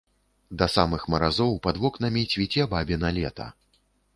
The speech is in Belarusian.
Да самых маразоў пад вокнамі цвіце бабіна лета.